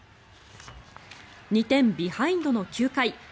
２点ビハインドの９回。